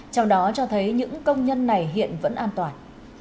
trong đó cho thấy những công nhân này hiện vẫn an toàn